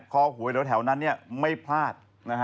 คอหวยแล้วแถวนั้นเนี่ยไม่พลาด